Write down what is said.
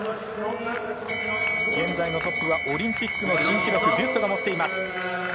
現在のトップはオリンピックの新記録、ビュストが持っています。